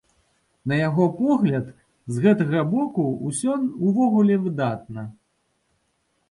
На яго погляд, з гэтага боку ўсё ўвогуле выдатна.